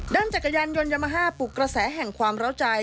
ด้านจักรยานยนต์ยามาฮาปลูกกระแสแห่งความร้าวใจ